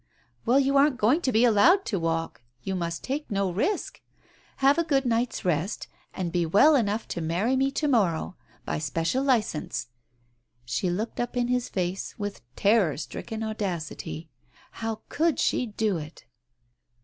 "Well, you aren't going to be allowed to walk ! You must take no risk. Have a good night's rest, and be well enough to marry me to morrow — by special licence." She looked up in his face with terror stricken audacity. How could she do it